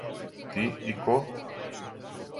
Ти и ко?